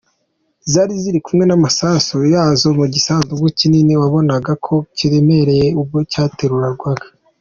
Zari ziri kumwe n’amasasu yazo mu gisanduku kinini wabonaga ko kiremereye ubwo cyaterurwaga.